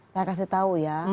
saya kasih tau ya